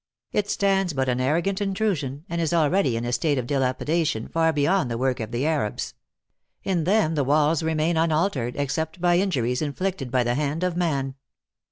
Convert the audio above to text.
It stands but an arrogant intrusion, and is already in a state of dilapidation far beyond the work of the Arabs. In them the walls remain unaltered, except by injuries inflicted by the hand of man.